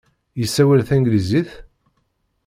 Yessawal tanglizit?